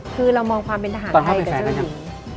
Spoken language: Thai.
คือเรามองความเป็นทหารไทยกับเจ้าหญิง